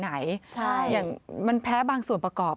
อย่างมันแพ้บางส่วนประกอบ